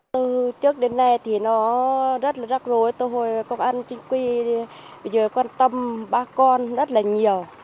từ trước đến nay thì nó rất là rắc rối tôi hồi công an chính quy bây giờ quan tâm bác con rất là nhiều